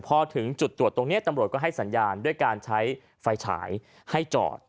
พอถึงจุดตรวจตรงนี้ตำรวจก็ให้สัญญาณด้วยการใช้ไฟฉายให้จอด